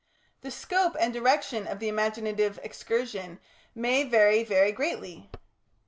The scope and direction of the imaginative excursion may vary very greatly.